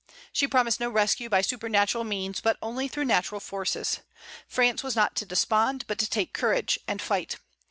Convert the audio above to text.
She promised no rescue by supernatural means, but only through natural forces. France was not to despond, but to take courage, and fight.